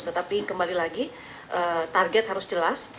tetapi kembali lagi target harus jelas